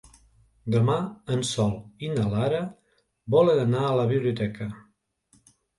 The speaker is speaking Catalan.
Demà en Sol i na Lara volen anar a la biblioteca.